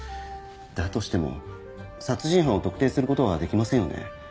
だとしても殺人犯を特定することはできませんよね。